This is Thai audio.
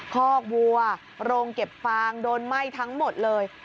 คอกวัวโรงเก็บฟางโดนไหม้ทั้งหมดเลย